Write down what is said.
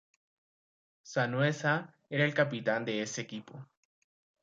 Sanhueza era el capitán de ese equipo.